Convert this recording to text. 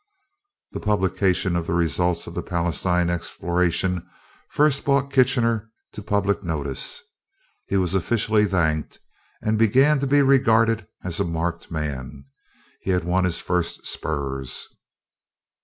The publication of the results of the Palestine exploration first brought Kitchener to public notice. He was officially thanked and began to be regarded as a marked man. He had won his first spurs.